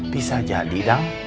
bisa jadi dang